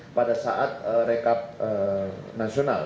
dan satu kali pada saat mereka merekap nasional